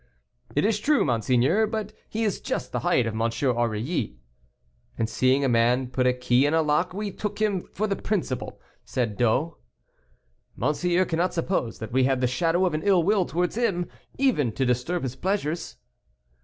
"It is true, monseigneur; but he is just the height of M. Aurilly." "And seeing a man put a key in a lock, we took him for the principal," added D'O. "Monseigneur cannot suppose that we had the shadow of an ill will towards him, even to disturb his pleasures?"